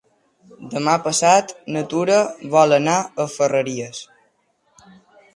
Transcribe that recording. Demà passat na Tura vol anar a Ferreries.